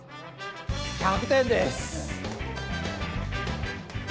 １００点です！